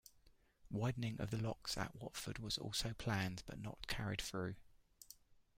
Widening of the locks at Watford was also planned, but not carried through.